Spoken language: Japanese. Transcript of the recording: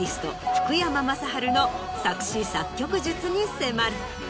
福山雅治の作詞作曲術に迫る。